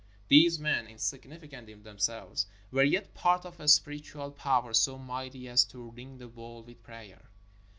These men, insignificant in themselves, were yet part of a spir itual power so mighty as to ring the world with prayer.